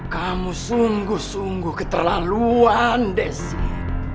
kamu sungguh sungguh keterlaluan desi